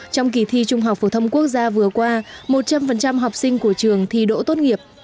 trong kỳ thi trung học phổ thông quốc gia vừa qua một trăm linh học sinh của trường thi đỗ tốt nghiệp